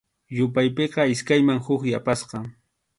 Yupaypiqa iskayman huk yapasqa.